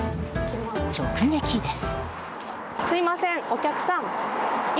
直撃です。